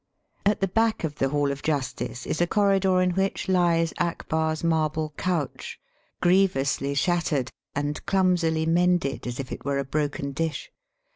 At the back of the Hall of Justice is a corridor in which lies Akbar's marble couch, grievously shattered and clumsily mended as if it were a broken dish.